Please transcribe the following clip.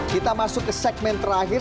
kita masuk ke segmen terakhir